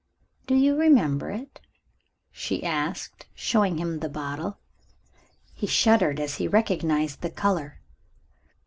"Do you remember it?" she asked, showing him the bottle. He shuddered as he recognized the color.